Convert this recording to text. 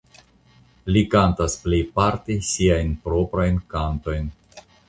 Li kantas plejparte siajn proprajn kantojn.